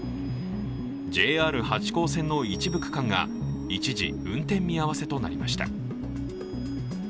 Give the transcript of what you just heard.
ＪＲ八高線の一部区間が一時、運転見合わせとなりました。